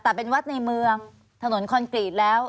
แต่เป็นวัดในเมืองถนนคอนกรีตแล้ว